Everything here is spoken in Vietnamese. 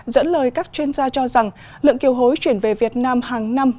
dẫn lời các chuyên gia cho rằng lượng kiều hối chuyển về việt nam hàng năm